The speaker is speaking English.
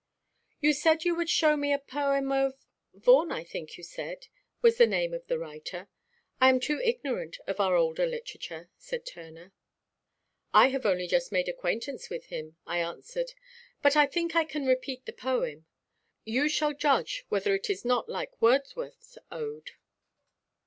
"You said you would show me a poem of Vaughan, I think you said, was the name of the writer. I am too ignorant of our older literature," said Turner. "I have only just made acquaintance with him," I answered. "But I think I can repeat the poem. You shall judge whether it is not like Wordsworth's Ode.